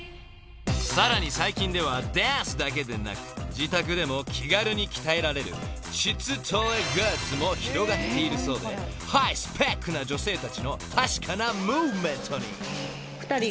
［さらに最近ではダンスだけでなく自宅でも気軽に鍛えられる膣トレグッズも広がっているそうでハイスペックな女性たちの確かなムーブメントに］